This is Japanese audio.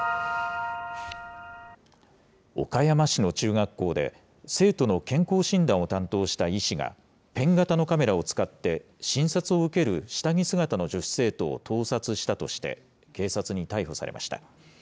岡山市の中学校で、生徒の健康診断を担当した医師が、ペン型のカメラを使って診察を受ける下着姿の女子生徒を盗撮したとして、警察に逮捕されました。